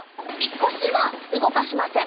腰は動かしません。